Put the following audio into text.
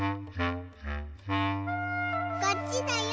こっちだよ